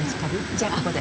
じゃあここで。